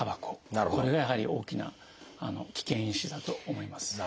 これがやはり大きな危険因子だと思います。